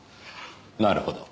なるほど。